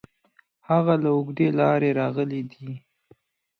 هغه له اوږدې لارې راغلی دی.